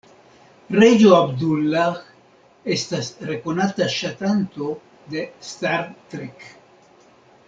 Reĝo Abdullah estas rekonata ŝatanto de "Star Trek".